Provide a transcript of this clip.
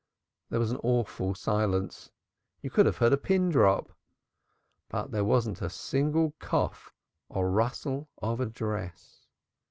There was an awful silence; you could have heard a pin drop. There wasn't a single cough or rustle of a dress.